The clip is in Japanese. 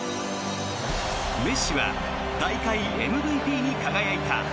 メッシは大会ＭＶＰに輝いた。